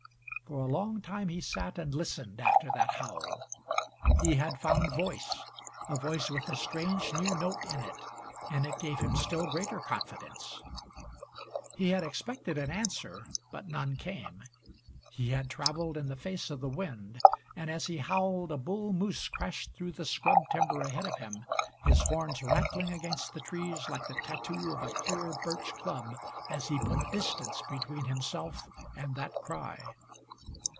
For a long time he sat and listened after that howl. He had found voice a voice with a strange new note in it, and it gave him still greater confidence. He had expected an answer, but none came. He had traveled in the face of the wind, and as he howled, a bull moose crashed through the scrub timber ahead of him, his horns rattling against the trees like the tattoo of a clear birch club as he put distance between himself and that cry.